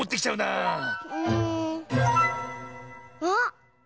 あっ！